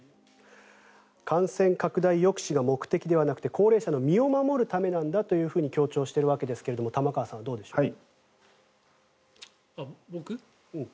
感染拡大抑止が目的ではなくて高齢者の身を守るためなんだというふうに強調しているわけですが玉川さん、どうでしょう。